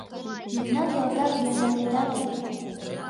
Мемнам ялтак йомдареда вет...